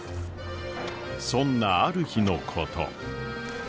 そんなある日のこと。